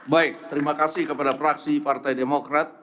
baik terima kasih kepada fraksi partai demokrat